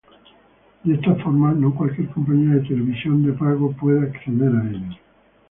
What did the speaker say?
De esta forma, no cualquier compañía de televisión de pago puede acceder a ellos.